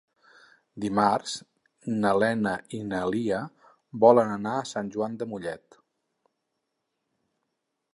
Dimarts na Lena i na Lia volen anar a Sant Joan de Mollet.